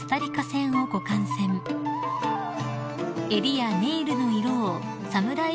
［襟やネイルの色をサムライ